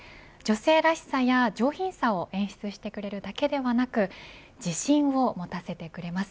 女性らしさや上品さを演出してくれるだけではなく自信を持たせてくれます。